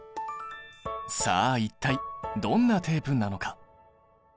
さあ一体どんなテープなのか。